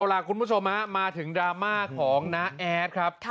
เอาล่ะคุณผู้ชมมาถึงดราม่าของน้าแอดครับ